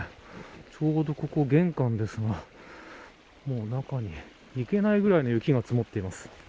ちょうど、ここ玄関ですがもう中に行けないぐらいの雪が積もっています。